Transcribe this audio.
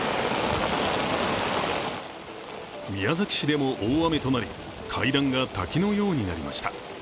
宮崎市でも大雨となり階段が滝のようになりました。